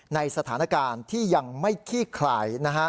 ในสถานการณ์ที่ยังไม่ขี้คลาย